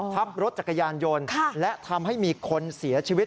ทับรถจักรยานยนต์และทำให้มีคนเสียชีวิต